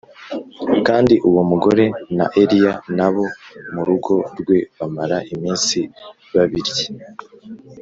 kandi uwo mugore na Eliya n’abo mu rugo rwe bamara iminsi babirya